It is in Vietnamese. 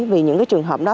vì những trường hợp đó